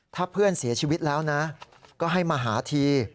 ถ้าเพื่อนเสียชีวิตแล้วนะก็ให้มาหาที